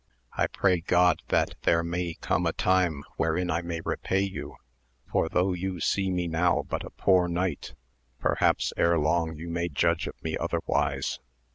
I pray God that there may come a time wherein I may repay you, for though you see me now but a poor knight perhaps ere long you may judge of me otherwise.